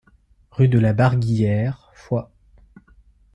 Rue de la Barguillère, Foix